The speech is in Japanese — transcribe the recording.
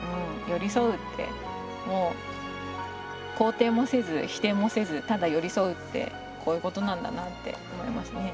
寄り添うってもう肯定もせず否定もせずただ寄り添うってこういうことなんだなって思いますね。